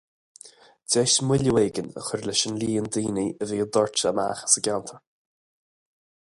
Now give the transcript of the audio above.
Deis moilliú éigin a chur leis an líon daoine a bhí ag doirteadh amach as an gceantar.